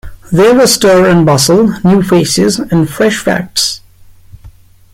There were stir and bustle, new faces, and fresh facts.